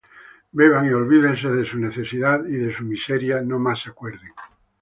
Beban, y olvídense de su necesidad, Y de su miseria no más se acuerden.